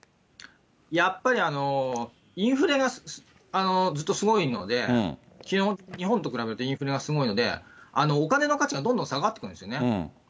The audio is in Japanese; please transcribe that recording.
やっぱりインフレがずっとすごいので、基本、日本と比べてインフレがすごいので、お金の価値がどんどん下がってくるんですよね。